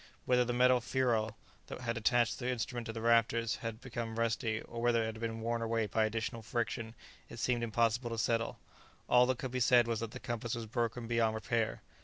Whether the metal ferule that had attached the instrument to the rafters had become rusty, or whether it had been worn away by additional friction it seemed impossible to settle. All that could be said was that the compass was broken beyond repair.